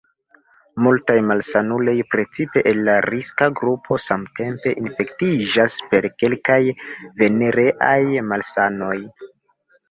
Multaj malsanuloj, precipe el la riska grupo, samtempe infektiĝas per kelkaj venereaj malsanoj.